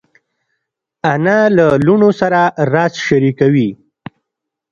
انا له لوڼو سره راز شریکوي